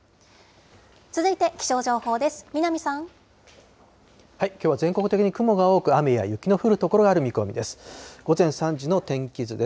続いて気象情報です。